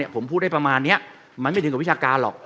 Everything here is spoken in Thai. ผมพูดได้ประมาณนี้มันไม่ถึงกับวิชาการหรอก